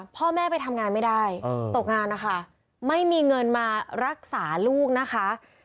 พ่อแม่ไปทำงานไม่ได้ตกงานนะคะไม่มีเงินมารักษาลูกนะคะ